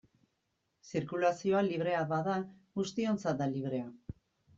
Zirkulazioa librea bada, guztiontzat da librea.